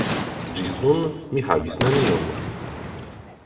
Ĝis nun mi havis neniom.